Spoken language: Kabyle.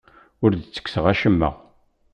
Ur d-ttekkseɣ acemma.